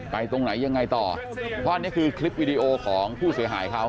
ตรงไหนยังไงต่อเพราะอันนี้คือคลิปวิดีโอของผู้เสียหายเขา